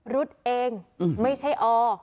รุ๊ดเองไม่ใช่อ